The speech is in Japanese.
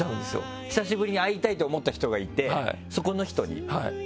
久しぶりに会いたいと思った人がいてそこの人に？